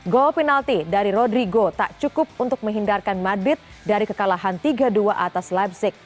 gol penalti dari rodrigo tak cukup untuk menghindarkan madrid dari kekalahan tiga dua atas lepsic